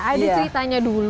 ada ceritanya dulu